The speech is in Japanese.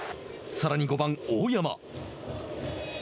さらに５番大山。